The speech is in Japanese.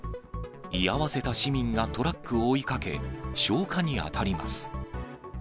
居合わせた市民がトラックを追いかけ、消火に当たります。